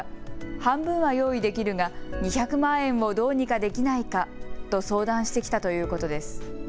半分は用意できるが２００万円をどうにかできないかと相談してきたということです。